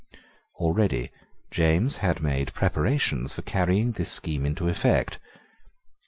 Already James had made preparations for carrying this scheme into effect.